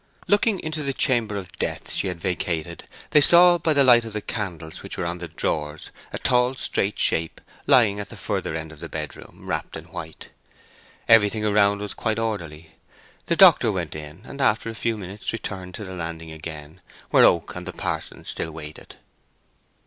Looking into the chamber of death she had vacated they saw by the light of the candles which were on the drawers a tall straight shape lying at the further end of the bedroom, wrapped in white. Everything around was quite orderly. The doctor went in, and after a few minutes returned to the landing again, where Oak and the parson still waited.